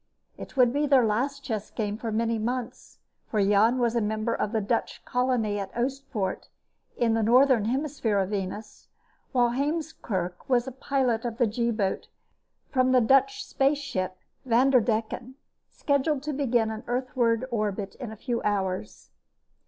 It would be their last chess game for many months, for Jan was a member of the Dutch colony at Oostpoort in the northern hemisphere of Venus, while Heemskerk was pilot of the G boat from the Dutch spaceship Vanderdecken, scheduled to begin an Earthward orbit in a few hours.